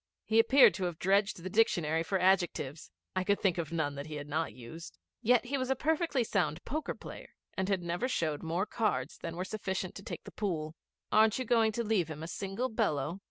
He appeared to have dredged the dictionary for adjectives. I could think of none that he had not used. Yet he was a perfectly sound poker player and never showed more cards than were sufficient to take the pool. 'Aren't you going to leave him a single bellow?'